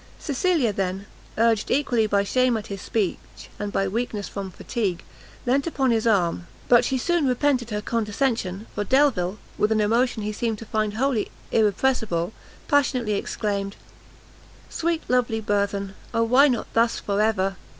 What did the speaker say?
Cecilia then, urged equally by shame at his speech and by weakness from fatigue, leant upon his arm but she soon repented her condescension; for Delvile, with an emotion he seemed to find wholly irrepressible, passionately exclaimed "sweet lovely burthen! O why not thus for ever!"